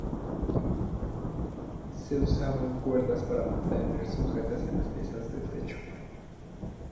Se usaban cuerdas para mantener sujetas las piezas de la techumbre.